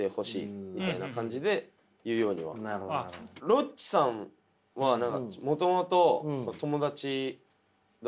ロッチさんはもともと友達だった？